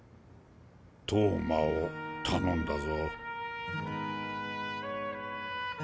投馬を頼んだぞ。